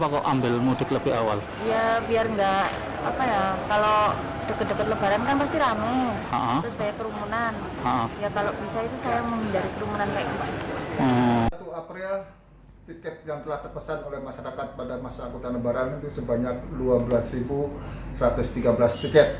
kepada penjualan penjualan yang telah diberikan adalah dua belas satu ratus tiga belas tiket kereta api